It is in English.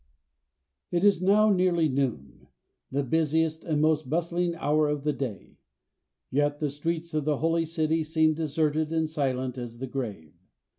It is now nearly noon, the busiest and most bustling hour of the day; yet the streets of the Holy City seem deserted and silent as the grave.